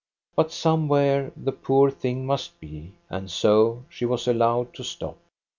But somewhere the poor thing must be. And so she was allowed to stop.